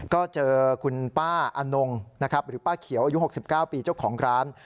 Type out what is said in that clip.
ก็เจอคุณป้าอนงนะครับหรือป้าเขียวอายุ๖๙ปีเจ้าของร้าน